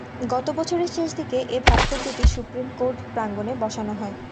গত বছরের শেষ দিকে এ ভাস্কর্যটি সুপ্রিম কোর্ট প্রাঙ্গণে বসানো হয়।